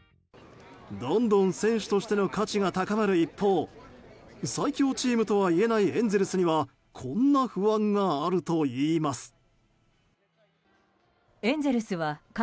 どんどん選手としての価値が高まる一方最強チームとはいえないエンゼルスにはこんな不安があるといいます。